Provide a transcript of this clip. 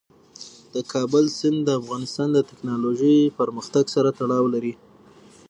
د کابل سیند د افغانستان د تکنالوژۍ پرمختګ سره تړاو لري.